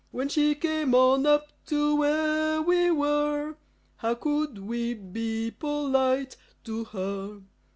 When she came on up to where we were, How could we be polite to her?